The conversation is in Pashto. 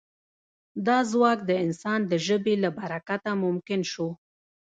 دا ځواک د انسان د ژبې له برکته ممکن شو.